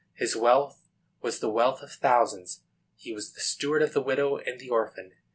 His wealth was the wealth of thousands. He was the steward of the widow and the orphan.